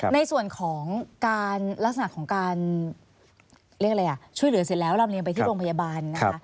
ในส่วนของการรักษาของการช่วยเหลือเสร็จแล้วเห็นไปบริพยาบาล